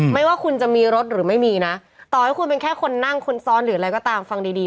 ไม่ว่าคุณจะมีรถหรือไม่มีนะต่อให้คุณเป็นแค่คนนั่งคนซ้อนหรืออะไรก็ตามฟังดีดี